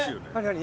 何？